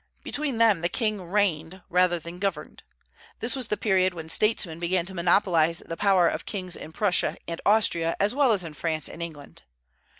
Between them the king "reigned" rather than "governed." This was the period when statesmen began to monopolize the power of kings in Prussia and Austria as well as in France and England.